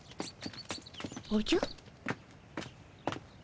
おじゃ。